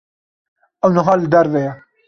Ew niha li derve ye.